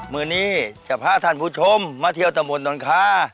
มือนี้จะพาท่านผู้ชมมาเที่ยวตะมนตนคา